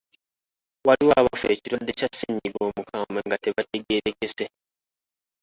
Waliwo abafa ekirwadde kya ssennyiga omukambwe nga tebategeerekese.